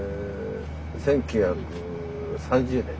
１９３０年。